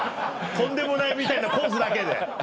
「とんでもない」みたいなポーズだけで。